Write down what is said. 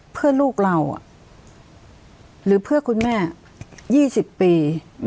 เพื่อลูกเราหรือเพื่อคุณแม่๒๐ปี